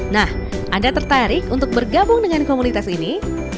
nah anda tertarik untuk bergabung dengan komunitas ini